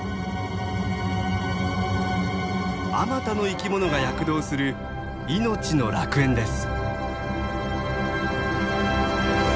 あまたの生き物が躍動する命の楽園です。